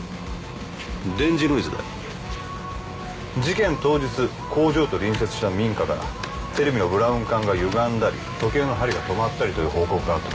電磁ノイズだよ事件当日工場と隣接した民家からテレビのブラウン管がゆがんだり時計の針が止まったりという報告があった